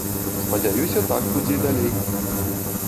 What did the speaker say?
Спадзяюся, так будзе і далей.